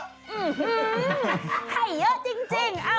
ไข่เยอะจริงเอ้า